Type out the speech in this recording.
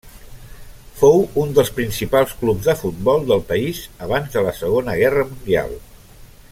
Fou un dels principals clubs de futbol del país abans de la Segona Guerra Mundial.